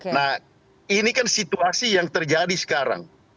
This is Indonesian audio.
nah ini kan situasi yang terjadi sekarang